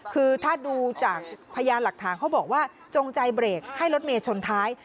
คือถ้าดูจากพยานหลักฐานเขาบอกว่าจงใจเบรกให้รถเมย์ชนท้าย